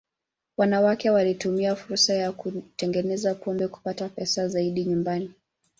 Wanawake walitumia fursa ya kutengeneza pombe kupata pesa zaidi nyumbani.